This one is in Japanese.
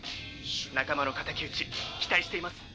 仲間の敵討ち期待しています。